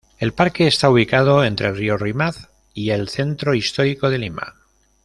El parque está ubicado entre el río Rímac y el centro histórico de Lima.